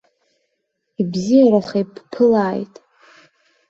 Ибзиараха ибԥылааит.